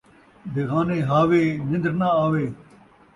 بغانے ہاوے، نندر ناں آوے